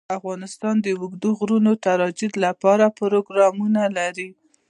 افغانستان د اوږده غرونه د ترویج لپاره پروګرامونه لري.